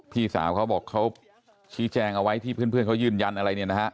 พี่สาวเขาบอกเขาชี้แจงเอาไว้ที่เพื่อนเขายืนยันอะไรเนี่ยนะฮะ